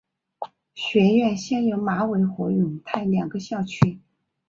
学院现有马尾和永泰两个校区。